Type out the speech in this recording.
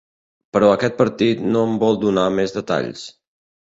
Però aquest partit no en vol donar més detalls.